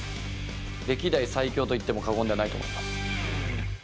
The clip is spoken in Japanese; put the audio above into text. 歴代最強と言っても過言じゃないと思います。